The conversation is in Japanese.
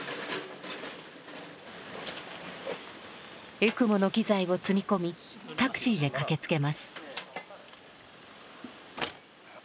エクモの機材を積み込みタクシーで駆けつけます。